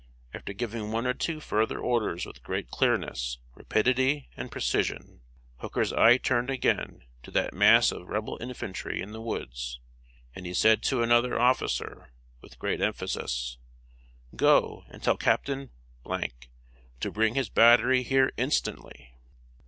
After giving one or two further orders with great clearness, rapidity, and precision, Hooker's eye turned again to that mass of Rebel infantry in the woods, and he said to another officer, with great emphasis: "Go, and tell Captain to bring his battery here instantly!"